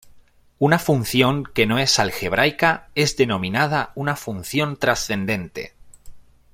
Una función que no es algebraica es denominada una función trascendente.